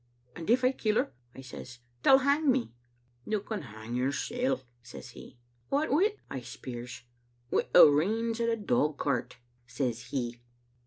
' 'And if I kill her, * I says, 'they'll hang me. ' 'You can hang yoursel*,' says He. 'What wi'?' I speirs. *Wi' the reins o' the dogcart,' says He.